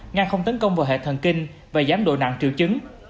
ngang không tấn công vào hệ thần kinh và giảm độ nặng triệu chứng